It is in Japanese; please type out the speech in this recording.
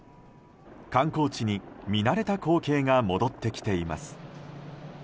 観光地に見慣れた光景が戻ってきています。